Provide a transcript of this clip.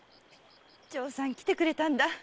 長さん来てくれたんだ。